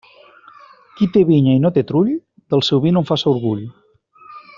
Qui té vinya i no té trull, del seu vi no en faça orgull.